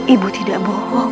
ibu tidak bohong